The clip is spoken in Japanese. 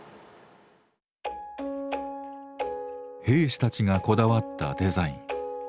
兵士たちがこだわったデザイン。